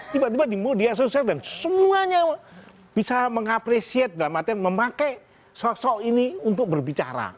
tiba tiba di media sosial dan semuanya bisa mengapresiasi dalam artian memakai sosok ini untuk berbicara